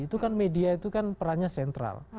itu kan media itu kan perannya sentral